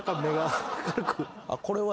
これは。